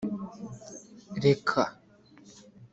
reka